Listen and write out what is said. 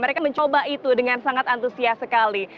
mereka mencoba itu dengan sangat antusias sekali